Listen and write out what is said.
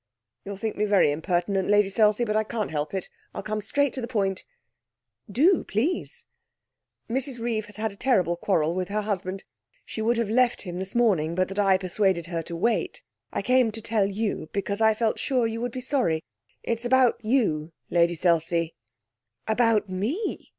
'You'll think me very impertinent, Lady Selsey. But I can't help it. I'll come straight to the point.' 'Do, please.' 'Mrs Reeve has had a terrible quarrel with her husband. She would have left him this morning, but that I persuaded her to wait. I came to tell you because I felt sure you would be sorry. It's about you, Lady Selsey.' 'About me!'